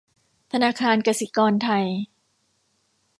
ธนาคารกสิกรไทย